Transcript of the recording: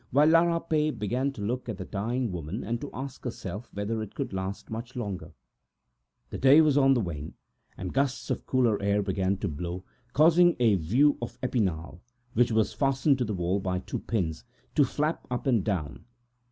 La Rapet began to look at the dying woman, and to ask herself whether it could last much longer. The day was on the wane, and a cooler air came in stronger puffs, making a view of Epinal, which was fastened to the wall by two pins, flap up and down.